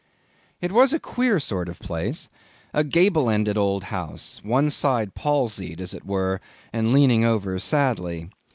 It was a queer sort of place—a gable ended old house, one side palsied as it were, and leaning over sadly.